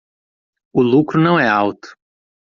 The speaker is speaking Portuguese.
O lucro não é alto